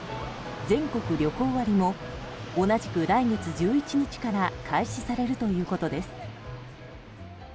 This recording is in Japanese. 全国旅行割も同じく来月１１日から開始されるということです。